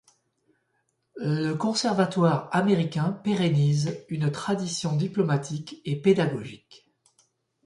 Le Conservatoire américain pérennise une tradition diplomatique et pédagogique.